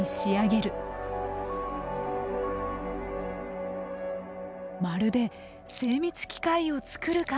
まるで精密機械を作るかのように。